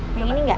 ini ini enggak